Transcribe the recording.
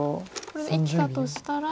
これで生きたとしたら。